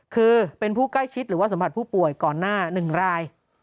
คือเป็นผู้ใกล้ชิดหรือว่าสัมผัสผู้ป่วยก่อนหน้า๑ราย